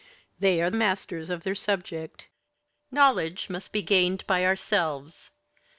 They are masters of their subject. Knowledge must be gained by ourselves.